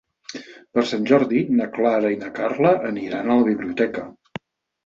Per Sant Jordi na Clara i na Carla aniran a la biblioteca.